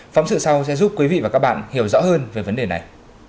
phóng sự sau sẽ giúp quý vị và các bạn hiểu rõ hơn về vấn đề này